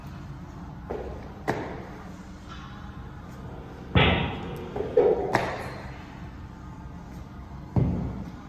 Hijo de Francisco Miaja Eguren y María de la Muela Villar.